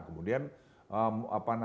kemudian di sini